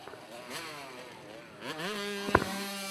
এজন্য ভাবলাম আপনি সাহায্য করতে পারেন।